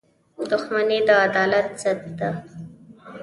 • دښمني د عدالت ضد ده.